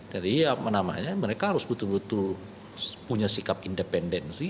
jadi apa namanya mereka harus betul betul punya sikap independensi